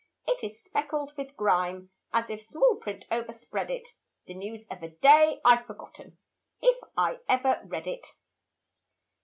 It is speckled with grime as if Small print overspread it, The news of a day I've forgotten If I ever read it.